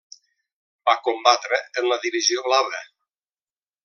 Va combatre en la Divisió Blava.